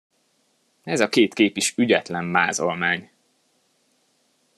Ez a két kép is ügyetlen mázolmány!